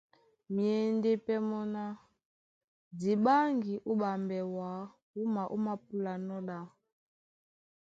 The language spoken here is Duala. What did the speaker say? Myěndé pɛ́ mɔ́ ná :Di ɓáŋgi ó ɓambɛ wǎ wúma ómāpúlanɔ́ ɗá.